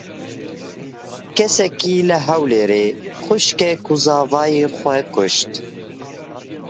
Kesekî li Hewlêrê xwîşkek û zavayê xwe kuşt.